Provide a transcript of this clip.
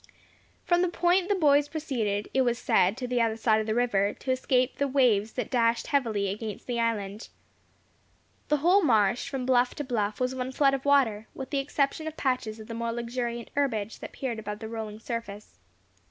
From the point the boys proceeded, it was said, to the other side of the river, to escape the waves that dashed heavily against the island. The whole marsh, from bluff to bluff, was one flood of water, with the exception of patches of the more luxuriant herbage that peered above the rolling surface.